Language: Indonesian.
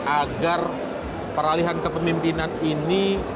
agar peralihan kepemimpinan ini